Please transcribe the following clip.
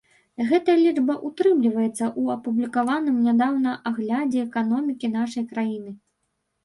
Гэтая лічба ўтрымліваецца ў апублікаваным нядаўна аглядзе эканомікі нашай краіны.